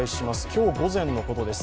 今日午前のことです。